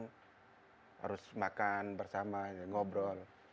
harus makan bersama ngobrol